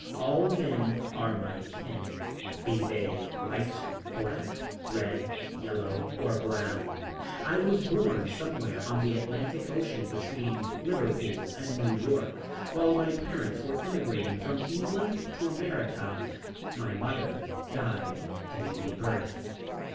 All men are my kin, be they white, black, red, yellow or brown. I was born somewhere on the Atlantic Ocean between Liverpool and New York while my parents were emigrating from England to America. My mother died giving me birth.